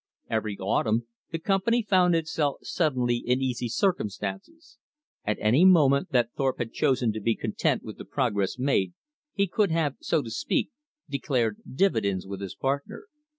Every autumn the Company found itself suddenly in easy circumstances. At any moment that Thorpe had chosen to be content with the progress made, he could have, so to speak, declared dividends with his partner.